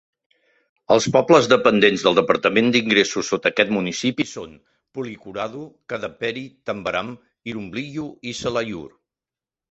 Els pobles dependents del departament d'ingressos sota aquest municipi són Pulikoradu, Kadapperi, Tambaram, Irumbliyu i Selaiyur.